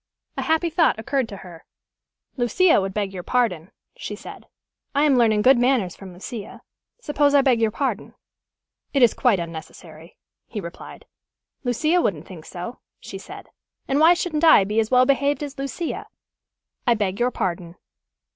A happy thought occurred to her. "Lucia would beg your pardon," she said. "I am learning good manners from Lucia. Suppose I beg your pardon." "It is quite unnecessary," he replied. "Lucia wouldn't think so," she said. "And why shouldn't I be as well behaved as Lucia? I beg your pardon."